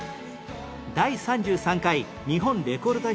第３３回日本レコード大賞も受賞した